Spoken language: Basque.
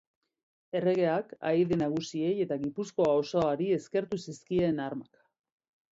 Erregeak ahaide nagusiei eta Gipuzkoa osoari eskertu zion armak.